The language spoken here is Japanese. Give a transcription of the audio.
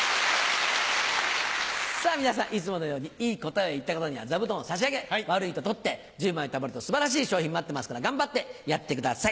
さぁ皆さんいつものようにいい答えを言った方には座布団を差し上げ悪いと取って１０枚たまると素晴らしい賞品待ってますから頑張ってやってください！